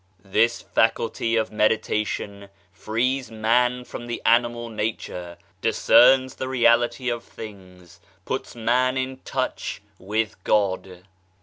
This faculty of meditation frees man from the animal nature, discerns the reality of things, puts man in touch with God.